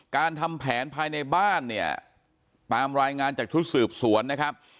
การทำแผนภายในบ้านเนี่ยตามรายงานจากชุดสืบสวนนะครับ